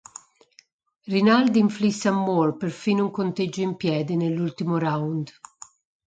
Rinaldi inflisse a Moore perfino un conteggio in piedi, nell'ultimo round.